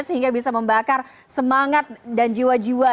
sehingga bisa membakar semangat dan jiwa jiwa